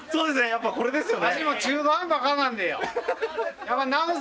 やっぱこれですよね！